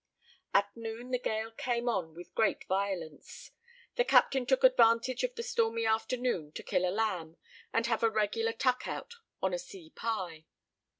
At noon the gale came on with great violence. The captain took advantage of the stormy afternoon to kill a lamb, and have a regular "tuck out" on a sea pie.